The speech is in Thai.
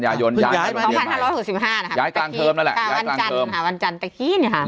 ย้ายระหว่างป